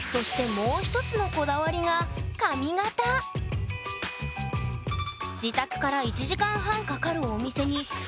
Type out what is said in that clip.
もう一つのこだわりが自宅から１時間半かかるお店にえっ。